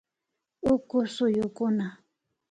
Uku suyukuna